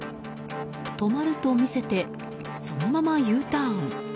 止まると見せてそのままＵターン。